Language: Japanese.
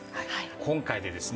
今回でですね